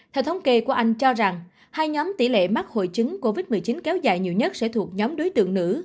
theo thống kê của anh cho rằng hai nhóm tỷ lệ mắc hội chứng covid một mươi chín kéo dài nhiều nhất sẽ thuộc nhóm đối tượng nữ